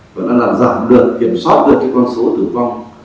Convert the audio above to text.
và đã giảm được kiểm soát được con số tử vong